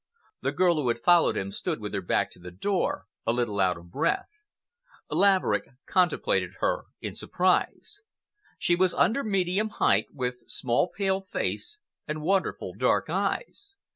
The girl who had followed him stood with her back to the door, a little out of breath. Laverick contemplated her in surprise. She was under medium height, with small pale face and wonderful dark eyes.